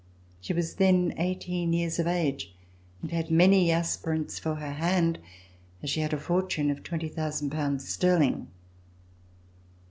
She was then eighteen years of age and had many aspirants for her hand as she had a fortune of 20,000 pounds sterling.